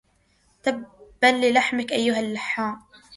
تبا للحمك أيها اللحام